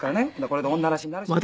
これで女らしくなるし。